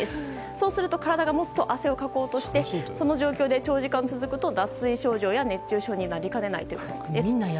そうすると体がもっと汗をかこうとしてその状況で長時間続くと脱水症状や熱中症になりかねないということです。